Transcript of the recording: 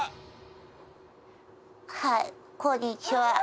「はいこんにちは」